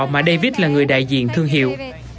mà david là người đại diện thương hiệu